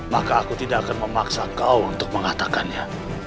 maka aku tidak akan memaksa kau untuk mengatakannya